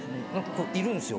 いるんですよ